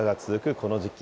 この時期。